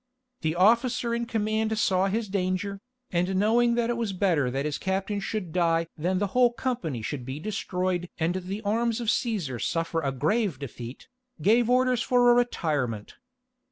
The officer in command saw his danger, and knowing that it was better that his captain should die than that the whole company should be destroyed and the arms of Cæsar suffer a grave defeat, gave orders for a retirement.